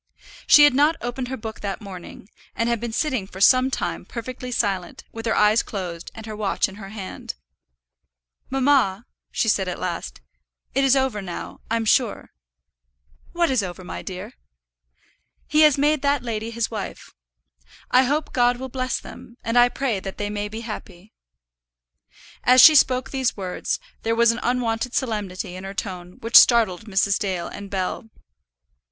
She had not opened her book that morning, and had been sitting for some time perfectly silent, with her eyes closed, and her watch in her hand. "Mamma," she said at last, "it is over now, I'm sure." [ILLUSTRATION: "Mamma," she said at last, "it is over now, I'm sure."] "What is over, my dear?" "He has made that lady his wife. I hope God will bless them, and I pray that they may be happy." As she spoke these words, there was an unwonted solemnity in her tone which startled Mrs. Dale and Bell.